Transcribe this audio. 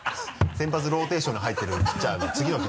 先発ローテーションに入ってるピッチャーの次の日。